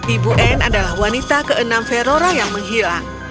ibu anne adalah wanita ke enam verora yang menghilang